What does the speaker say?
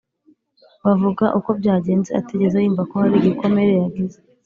bavuga uko byagenze atigeze yumva ko hari igikomere yagize